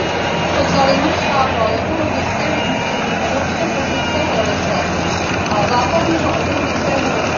Socialismus chápal jako logické vyústění evropské politické tradice a západního ekonomického rozvoje.